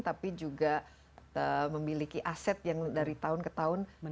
tapi juga memiliki aset yang dari tahun ke tahun